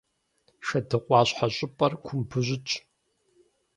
Шэдыкъуащхьэ щӏыпӏэр кумбу щытщ.